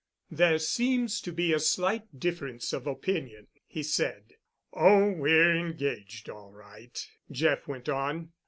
"There seems to be a slight difference of opinion," he said. "Oh, we're engaged all right," Jeff went on.